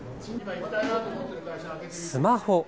スマホ。